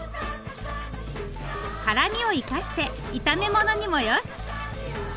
辛みを生かして炒めものにもよし。